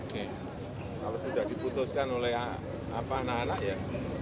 kalau sudah diputuskan oleh anak anak ya